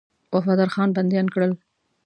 وفادارخان بنديان کړل.